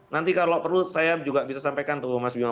nanti kalau perlu saya juga bisa sampaikan tuh mas bima